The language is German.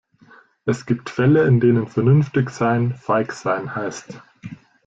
Es gibt Fälle, in denen vernünftig sein, feig sein heißt.